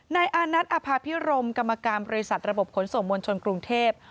นายอานัทอภาพิรมกรรมการบริษัทระบบขนส่งมวลชนกรุงเทพ